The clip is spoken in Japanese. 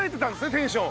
テンション。